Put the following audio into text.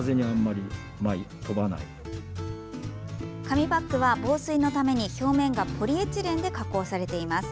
紙パックは、防水のために表面がポリエチレンで加工されています。